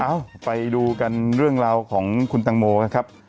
เอ้าไปดูกันเรื่องราวของคุณตังโมนะครับ